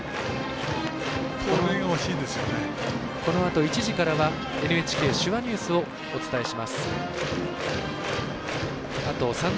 このあと１時からは「ＮＨＫ手話ニュース」をお伝えします。